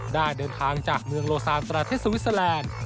ได้เดินทางจากเมืองโลซานประเทศสวิสเตอร์แลนด์